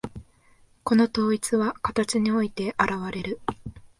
この統一は形において現われる。